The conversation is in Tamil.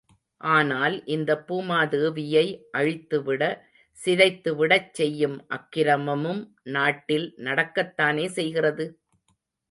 ஆனால் இந்தப் பூமாதேவியை அழித்து விட, சிதைத்துவிடச் செய்யும் அக்கிரமமும் நாட்டில் நடக்கத்தானே செய்கிறது?